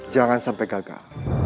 jangan sampai gagal